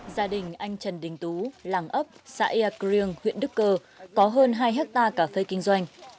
gia đình anh trần đình tú làng ấp xã ia criêng huyện đức cơ có hơn hai hectare cà phê kinh doanh